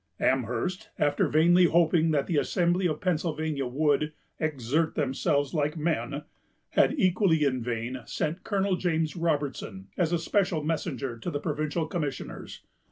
Amherst, after vainly hoping that the Assembly of Pennsylvania would "exert themselves like men," had, equally in vain, sent Colonel James Robertson as a special messenger to the provincial commissioners.